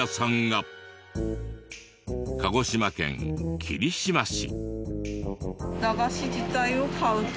鹿児島県霧島市。